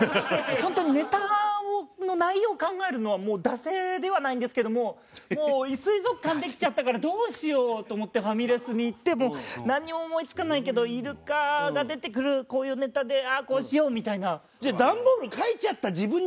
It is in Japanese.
本当にネタの内容を考えるのはもう惰性ではないんですけどももう水族館できちゃったからどうしよう？と思ってファミレスに行ってもうなんにも思いつかないけどイルカが出てくるこういうネタでああこうしよう！みたいな。